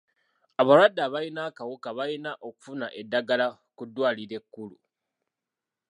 Abalwadde abalina akawuka balina okufuna eddagala ku ddwaliro ekkulu.